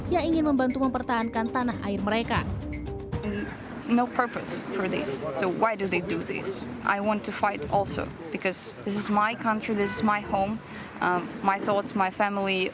yang ingin membantu mempertahankan tanah air mereka